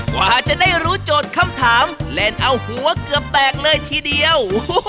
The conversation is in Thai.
กว่าจะได้รู้โจทย์คำถามเล่นเอาหัวเกือบแตกเลยทีเดียว